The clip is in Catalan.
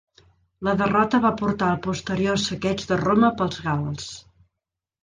La derrota va portar al posterior saqueig de Roma pels gals.